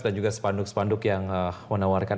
dan juga spanduk spanduk yang menawarkan